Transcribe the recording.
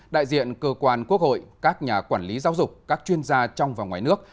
đại diện cơ quan quốc hội các nhà quản lý giáo dục các chuyên gia trong và ngoài nước